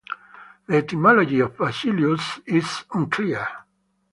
The etymology of "basileus" is unclear.